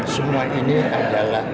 semua ini adalah